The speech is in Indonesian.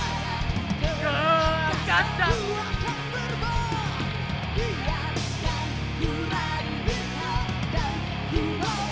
suatu saat nanti dapat menjadi penyelenggara